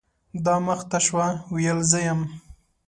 دا مخ ته شوه ، ویل زه یم .